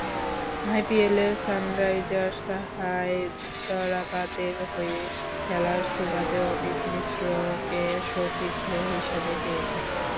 আইপিএলে সানরাইজার্স হায়দরাবাদের হয়ে খেলার সুবাদে অমিত মিশ্রকে সতীর্থ হিসেবে পেয়েছেন।